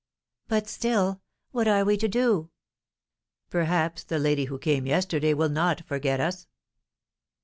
"But, still, what are we to do?" "Perhaps the lady who came yesterday will not forget us!"